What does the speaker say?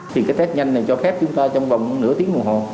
thì cái test nhanh này cho phép chúng ta trong vòng nửa tiếng đồng hồ